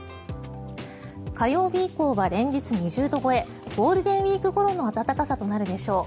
火曜日以降は連日、２０度超えゴールデンウィークごろの暖かさとなるでしょう。